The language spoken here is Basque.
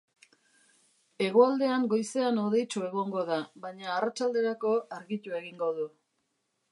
Hegoaldean goizean hodeitsu egongo da, baina arratsalderako argitu egingo du.